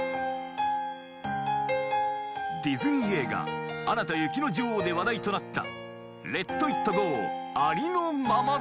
ディズニー映画『アナと雪の女王』で話題となった『レット・イット・ゴーありのままで』